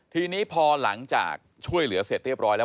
ทีนี้พอหลังจากช่วยเหลือเสร็จเรียบร้อยแล้ว